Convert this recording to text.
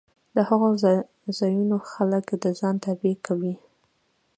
د هغو ځایونو خلک د ځان تابع کوي